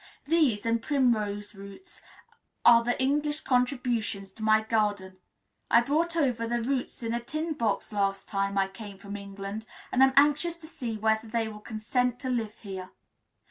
These, and primrose roots, are the English contributions to my garden. I brought over the roots in a tin box last time I came from England, and am anxious to see whether they will consent to live here.